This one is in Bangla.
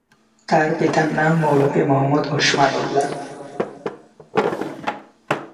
তার পিতার নাম মৌলভী মোহাম্মদ ওসমান উল্লাহ।